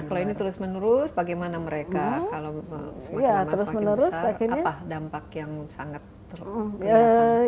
kalau ini terus menerus bagaimana mereka kalau semakin lama semakin besar apa dampak yang sangat penting